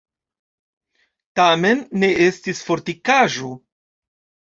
Tamen ne estis fortikaĵo.